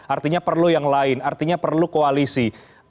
artinya perlu yang lain artinya perlu koalisi